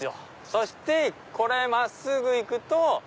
そしてこれ真っすぐ行くと。